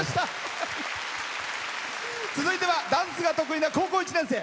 続いてはダンスが得意な高校１年生。